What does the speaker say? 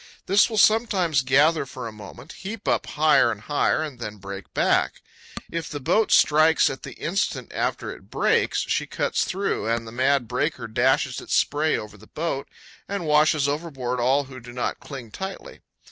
This will sometimes gather for a moment, heap up higher and higher, and then break back. 152 2 CANYONS OF THE COLORADO. If the boat strikes it the instant after it breaks, she cuts through, and the mad breaker dashes its spray over the boat and washes overboard all who do not cling tightly.